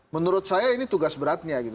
menurut saya ini tugas beratnya gitu